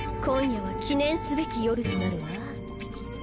今夜は記念すべき夜となるわ。